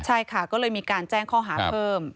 ใช่ค่ะก็เลยมีการแจ้งข้อหาเพิ่ม